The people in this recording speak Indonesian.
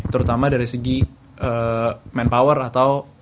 terutama dari segi manpower atau